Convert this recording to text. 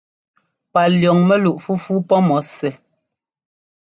Palʉ̈ɔŋ mɛluꞋ fúfú pɔ́ mɔ sɛ́.